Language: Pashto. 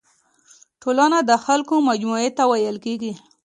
ټولنه د خلکو مجموعي ته ويل کيږي.